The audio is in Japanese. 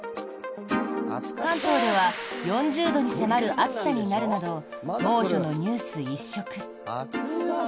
関東では４０度に迫る暑さになるなど猛暑のニュース一色。